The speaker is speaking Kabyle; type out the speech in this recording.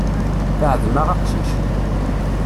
Teεḍem-aɣ aqcic.